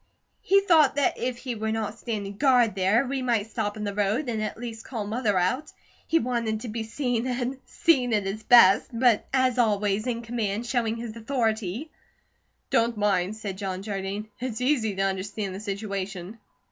"He thought that if he were NOT standing guard there, we might stop in the road and at least call Mother out. He wanted to be seen, and seen at his best; but as always, in command, showing his authority." "Don't mind," said John Jardine. "It's easy to understand the situation."